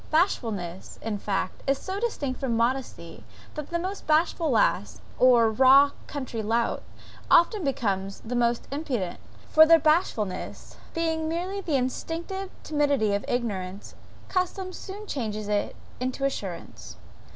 Bashfulness, in fact, is so distinct from modesty, that the most bashful lass, or raw country lout, often becomes the most impudent; for their bashfulness being merely the instinctive timidity of ignorance, custom soon changes it into assurance.